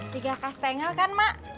tiga kastengel kan mak